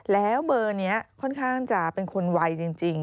แล้วเบอร์นี้ค่อนข้างจะเป็นคนไวจริง